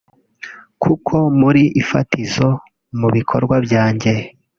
kuko muri ifatizo mu bikorwa byanjye